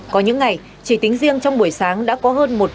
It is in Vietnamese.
có những ngày chỉ tính riêng trong buổi sáng đã có hơn một trăm linh trường